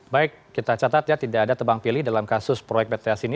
baik kita catat ya tidak ada tebang pilih dalam kasus proyek bts ini